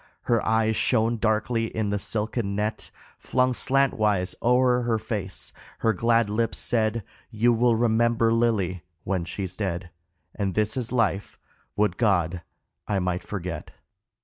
Her eyes shone darkly in the silken net Flung slantwise o'er her face, her glad lips said, "You will remember Lily when she's dead." And this is life would God I might forget